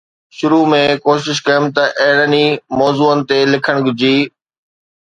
شروع ۾ ڪوشش ڪيم ته اهڙن ئي موضوعن تي لکڻ جي